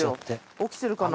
起きてるかな。